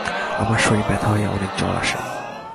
আমার শরীর ব্যথা হয়ে অনেক জ্বর আসে।